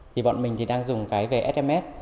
thì bọn mình đang dùng cái về sms